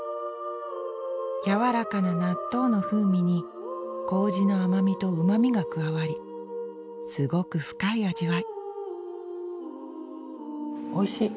やわらかな納豆の風味に麹の甘みとうまみが加わりすごく深い味わいおいしい！